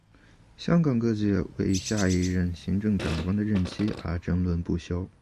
香港各界为下一任行政长官的任期而争论不休。